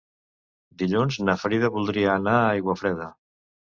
Dilluns na Frida voldria anar a Aiguafreda.